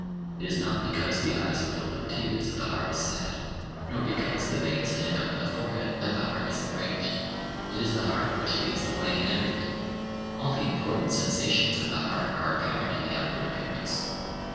It is not because the eyes are filled with tears that the heart is sad; nor because the veins stand out on the forehead that the heart is enraged. It is the heart which leads the way in everything. All the important sensations of the heart are apparent in the outward appearance.